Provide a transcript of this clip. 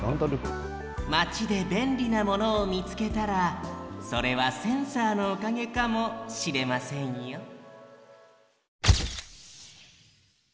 まちでべんりなものをみつけたらそれはセンサーのおかげかもしれませんよ